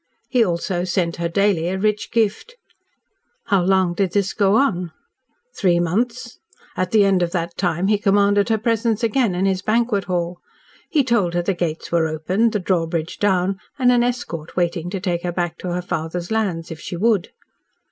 He also sent her daily a rich gift." "How long did this go on?" "Three months. At the end of that time he commanded her presence again in his banquet hall. He told her the gates were opened, the drawbridge down and an escort waiting to take her back to her father's lands, if she would."